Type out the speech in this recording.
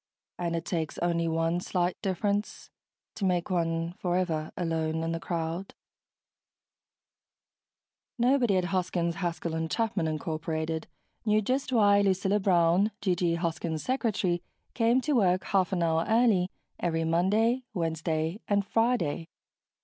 And it takes only one slight difference to make one forever alone in the crowd.... ILLUSTRATED BY SCHELLING Nobody at Hoskins, Haskell & Chapman, Incorporated, knew jut why Lucilla Brown, G.G. Hoskins' secretary, came to work half an hour early every Monday, Wednesday, and Friday.